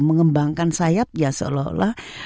mengembangkan sayap ya seolah olah